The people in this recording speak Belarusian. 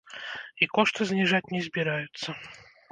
І кошты зніжаць не збіраюцца.